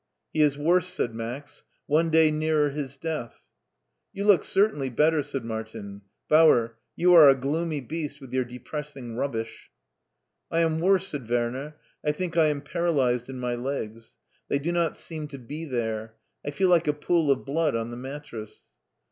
He is worse/' said Max ;one day nearer his death/' " You look certainly better/' said Martin. " Bauer, you are a gloomy beast with your depressing rubbish." " I am worse/' said Werner ;I think I am para lyzed in my legs. They do not seem to be there. I fed like a pool of blood on the mattress."